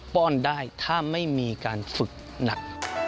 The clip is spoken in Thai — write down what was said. ป้อนได้ถ้าไม่มีการฝึกหนัก